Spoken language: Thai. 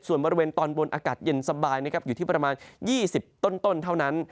ส่วนบริเวณตอนบนอากาศเย็นสบายนะครับอยู่ที่ประมาณ๒๐ต้นเท่านั้น